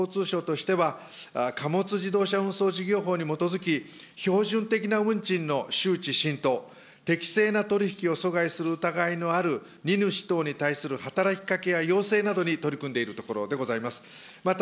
このため国土交通省としては、貨物自動車運送事業法に基づき標準的な運賃の周知浸透、適切な取り引きを阻害する疑いのある荷主等に対する働きかけや要請などに取り組んでいるところでございます。